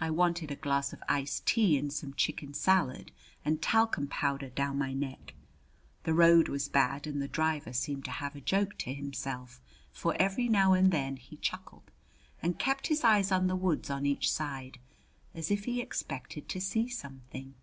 I wanted a glass of iced tea, and some chicken salad, and talcum powder down my neck. The road was bad, and the driver seemed to have a joke to himself, for every now and then he chuckled, and kept his eyes on the woods on each side, as if he expected to see something.